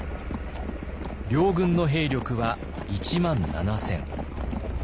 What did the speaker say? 両軍の兵力は１万７千。